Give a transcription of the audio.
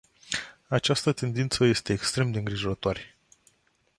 Această tendință este extrem de îngrijorătoare.